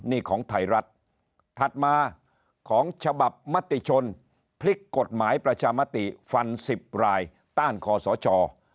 นี่ของไทยรัฐถัดมาของฉบับมติชนพลิกกฎหมายประชามติฟัน๑๐รายต้านคอสช